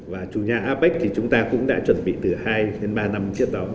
và chủ nhà apec thì chúng ta cũng đã chuẩn bị từ hai ba năm trước